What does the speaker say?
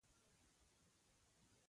د شمال مجاهدين د ايران او فرنګ جاسوسي کوي.